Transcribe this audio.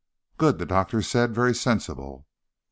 "Good," the doctor said. "Very sensible."